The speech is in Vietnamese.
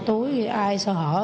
túi ai sợ hỡi